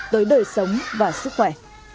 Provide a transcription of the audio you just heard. đối đổi sống và sức khỏe